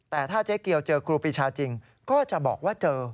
แต่ถ้าเจ๊เกียวเจอครูปีชาจริงก็จะบอกว่าเจอ